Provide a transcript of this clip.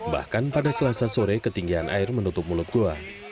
bahkan pada selasa sore ketinggian air menutup mulut gua